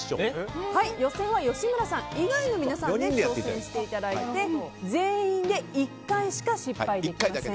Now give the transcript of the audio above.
予選は吉村さん以外の皆さんで挑戦していただいて全員で１回しか失敗できません。